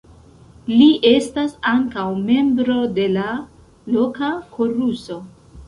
Li estas ankaŭ membro de la loka koruso.